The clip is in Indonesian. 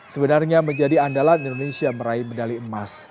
sebenarnya menjadi andalan indonesia meraih medali emas